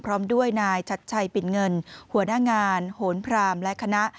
พร้อมด้วยนายชัดชัยปิ่นเงินหัวหน้างานโหนพรามและคณะ